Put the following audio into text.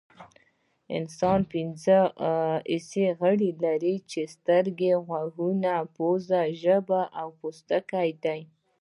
انسان پنځه حسي غړي لري چې سترګې غوږونه پوزه ژبه او پوستکی دي